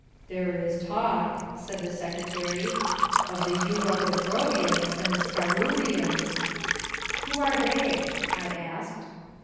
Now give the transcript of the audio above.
"There is talk," said the Secretary "of the Yugo Hebrovians and the Scaroovians " "Who are they?" I asked.